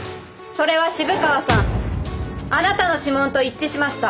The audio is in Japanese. それは渋川さんあなたの指紋と一致しました。